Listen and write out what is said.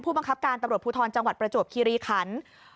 บังคับการตำรวจภูทรจังหวัดประจวบคิริขัน